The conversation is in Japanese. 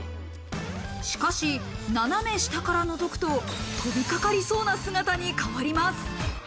しかし、斜め下から覗くと、飛びかかりそうな姿に変わります。